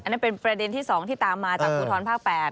อันนี้เป็นประเด็นที่๒ที่ตามมาจากภูทรภาค๘